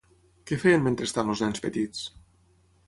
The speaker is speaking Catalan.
Què feien mentrestant els nens petits?